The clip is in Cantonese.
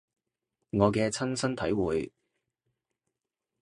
我嘅親身體會